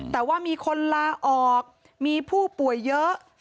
แต่ว่ามีคนลาออกมีผู้ป่วยเยอะ